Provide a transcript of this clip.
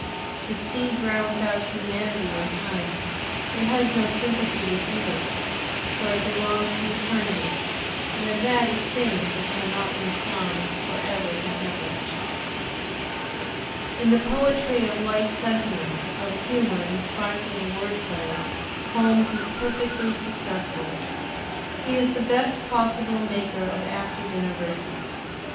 The sea drowns out humanity and time; it has no sympathy with either; for it belongs to eternity, and of that it sings its monotonous song for ever and ever. In the poetry of light sentiment, of humour and sparkling word play Holmes is perfectly successful. He is the best possible maker of after dinner verses.